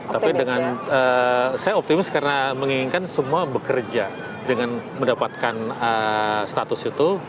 tapi dengan saya optimis karena menginginkan semua bekerja dengan mendapatkan status itu